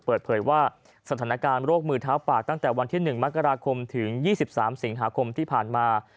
เปิดเผยว่าสถานการณ์โรคมือเท้าปากตั้งแต่วันที่๑มกราคมถึง๒๓สิงหาคมที่ผ่านมา